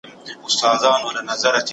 ده د قانون درناوی عام کړ.